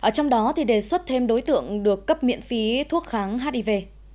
trong đó thì đề xuất thêm đối tượng được cấp miễn phí thuốc kháng hiv